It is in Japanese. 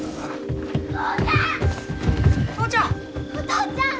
父ちゃん！